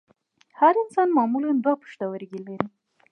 هر انسان معمولاً دوه پښتورګي لري